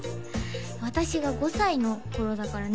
私が５歳の頃だからね